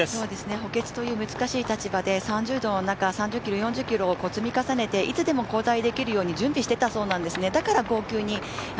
補欠という難しい立場で、３０度の中、３０ｋｍ、４０ｋｍを積み重ねていつでも交代できるように準備していたそうなんですね。